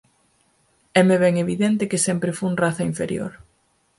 Éme ben evidente que sempre fun raza inferior.